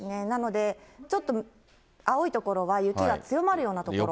なので、ちょっと青い所は雪が強まるような所。